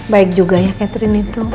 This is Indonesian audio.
baik juga ya catherine itu